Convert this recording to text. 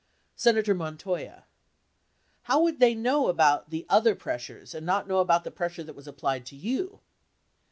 Senator Montoya. How would they know about the other pressures and not know about, the pressure that was applied to you